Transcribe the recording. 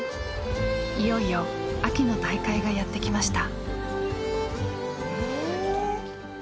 いよいよ秋の大会がやってきました。